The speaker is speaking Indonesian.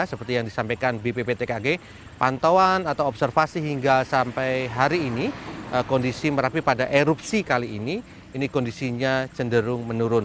seperti yang disampaikan bpptkg pantauan atau observasi hingga sampai hari ini kondisi merapi pada erupsi kali ini ini kondisinya cenderung menurun